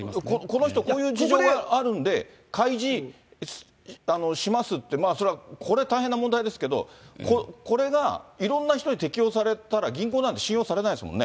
この人、こういう事情があるんで、開示しますって、これ大変な問題ですけど、これがいろんな人に適用されたら、銀行なんて信用されないですもん